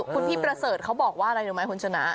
คุณพี่ประเสริฐเขาบอกว่าอะไรรู้ไหมคุณชนะ